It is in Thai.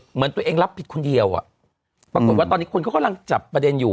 เหมือนตัวเองรับผิดคนเดียวอ่ะปรากฏว่าตอนนี้คนเขากำลังจับประเด็นอยู่